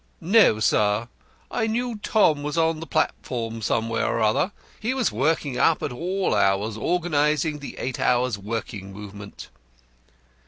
"No, sir; I knew Tom was on the platform somewhere or other. He was working up to all hours organising the eight hours' working movement."